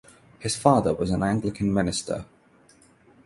His father was an Anglican minister.